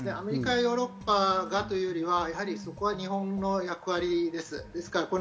アメリカやヨーロッパがというよりはそこは日本の役割です。